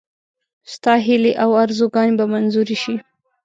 ستا هیلې او آرزوګانې به منظوري شي.